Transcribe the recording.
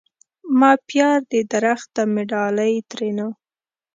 ما پيار دي درخته مي ډالی؛ ترينو